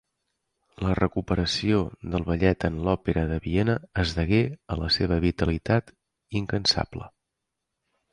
La recuperació del ballet en l'Òpera de Viena es degué a la seva vitalitat incansable.